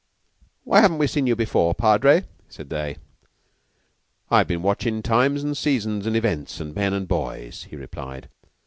"Why haven't we seen you before, Padre?" said they. "I've been watching times and seasons and events and men and boys," he replied.